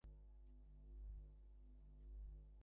এমন-কি, এক-একদিন আমার সন্দেহ হয়েছে এর মধ্যে তোমার দুর্বলতা আছে।